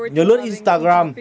nhớ lướt instagram